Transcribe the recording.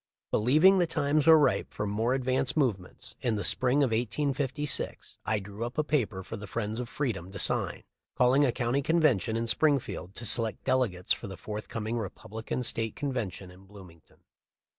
Believing the times were ripe for more advanced movements, in the spring of 1856 I drew up a paper for the friends of freedom to sign, calling a county convention in Springfield to select delegates for the forthcoming Republican State convention in Bloomington.